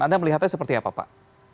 anda melihatnya seperti apa pak